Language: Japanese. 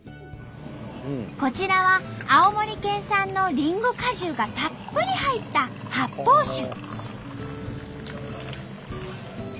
こちらは青森県産のりんご果汁がたっぷり入った発泡酒。